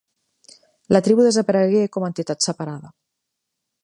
La tribu desaparegué com a entitat separada.